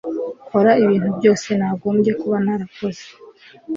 Kora ibintu byose nagombye kuba narakoze